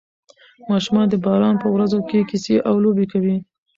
ماشومان د باران په ورځو کې کیسې او لوبې کوي.